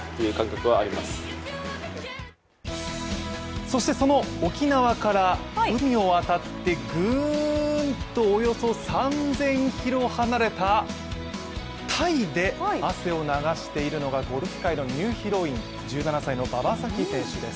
そして沖縄から海を渡って、ぐーんとおよそ３０００ｋｍ離れたタイで汗を流しているのがゴルフ界のニューヒロイン１７歳の馬場咲希選手です。